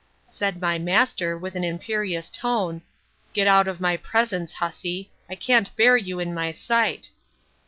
—Said my master, with an imperious tone, Get out of my presence, hussy! I can't bear you in my sight.